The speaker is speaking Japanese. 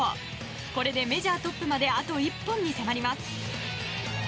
これでメジャートップまであと１本に迫ります。